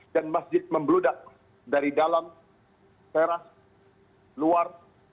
dan masjid membludak dari dalam teras luar